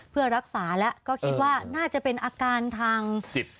เพื่อรักษาแล้วก็คิดว่าน่าจะเป็นอาการทางจิต